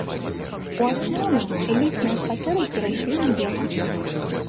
У асноўным элітныя кватэры перайшлі на еўра.